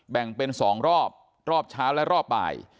แบ่งเป็น๒รอบรอบเช้าและรอบบ่าย